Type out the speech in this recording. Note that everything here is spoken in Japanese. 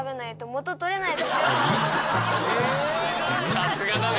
さすがだね。